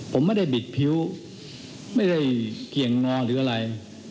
ผมไม่ได้บิดพิ้วไม่ได้เกี่ยงงอหรืออะไร